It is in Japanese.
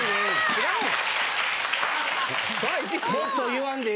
知らんわ！